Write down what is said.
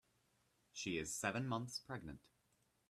She is seven months pregnant.